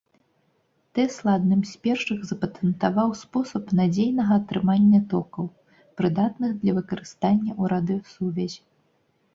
Тэсла адным з першых запатэнтаваў спосаб надзейнага атрымання токаў, прыдатных для выкарыстання ў радыёсувязі.